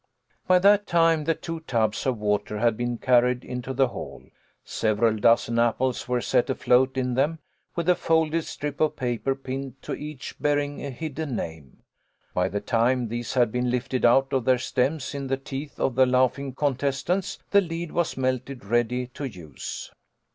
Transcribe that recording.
By that time the two tubs of water had been carried into the hall. Several dozen apples were set afloat in them, with a folded strip of paper pinned to each bearing a hidden name. By the time these had been lifted out by their stems in the teeth of the laughing contestants, the lead was melted ready to use.